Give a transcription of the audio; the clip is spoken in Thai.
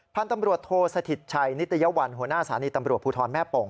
พันธุ์ตำรวจโทสถิตชัยนิตยวัลหัวหน้าสถานีตำรวจภูทรแม่โป่ง